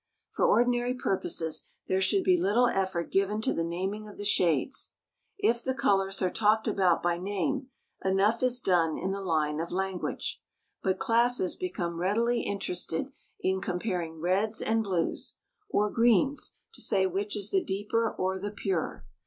For ordinary purposes there should be little effort given to the naming of the shades. If the colors are talked about by name, enough is done in the line of language. But classes become readily interested in comparing reds, and blues, or greens to say which is the deeper or the purer.